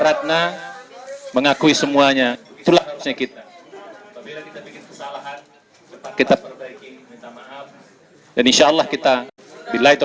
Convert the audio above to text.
ratna mengakui semuanya telah kita kita perbaiki dan insyaallah kita bila itu